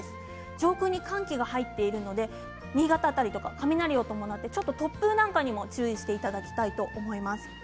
上空に寒気が入っているので新潟辺りとか雷を伴ってちょっと突風などにも注意していただきたいと思います。